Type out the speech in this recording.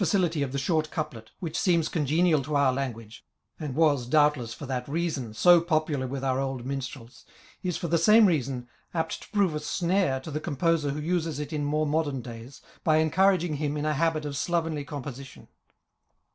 II cility of the short couplet, which seems congenial to oui language, and was, doubtless for that reason, so popular with our old minstrels, is, for the same reason, apt to prove a snare to the composer who uses it in more mo dem days, by encouraging him in a habit of slovenly composition.